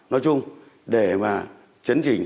nói chung để mà chấn trình